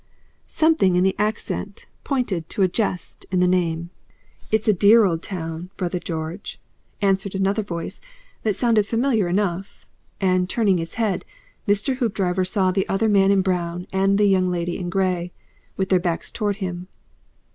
Something in the accent pointed to a jest in the name. "It's a dear old town, brother George," answered another voice that sounded familiar enough, and turning his head, Mr. Hoopdriver saw the other man in brown and the Young Lady in Grey, with their backs towards him.